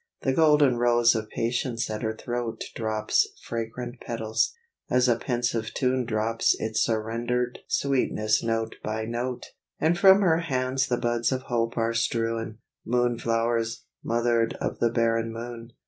The golden rose of patience at her throat Drops fragrant petals as a pensive tune Drops its surrendered sweetness note by note; And from her hands the buds of hope are strewn, Moon flowers, mothered of the barren moon.